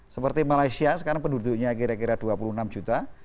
seperti malaysia sekarang penduduknya kira kira dua puluh enam juta